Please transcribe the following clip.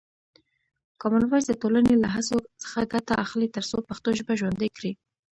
کامن وایس د ټولنې له هڅو څخه ګټه اخلي ترڅو پښتو ژبه ژوندۍ کړي.